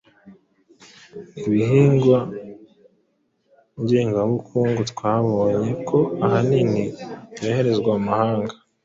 Ibihingwa ngengabukundu twabonye ko ahanini byoherezwa mu mahanga